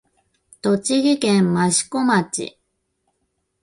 栃木県益子町